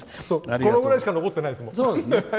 このぐらいしか残ってないですもん。